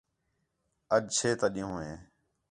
آج چھے تا ݙِینہوں ہے